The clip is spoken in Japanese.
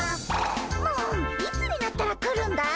もういつになったら来るんだい？